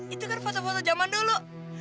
itu kan foto foto zaman dulu